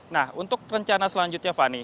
nah untuk rencana selanjutnya fani